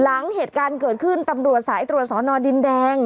หลังเหตุการณ์เกิดขึ้นตำรวจสายตรวจสอนอดินแดง